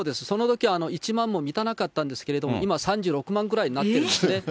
そのときは１万も満たなかったんですけれども、今、３６万ぐらいになってるんですね。